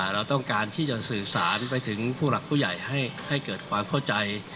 เราต้องการที่จะสื่อสารไปถึงผู้หลักผู้ใหญ่ให้เกิดความเข้าใจ